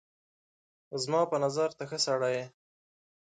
زما په نظر ته ښه سړی یې